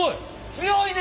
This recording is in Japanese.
強いね。